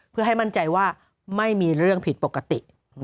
เพื่อให้มั่นใจว่าไม่มีเรื่องผิดปกติ